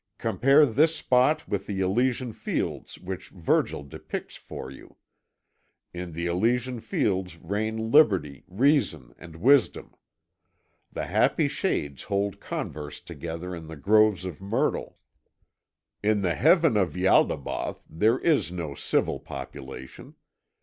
Compare this spot with the Elysian Fields which Virgil depicts for you. In the Elysian Fields reign liberty, reason, and wisdom. The happy shades hold converse together in the groves of myrtle. In the Heaven of Ialdabaoth there is no civil population.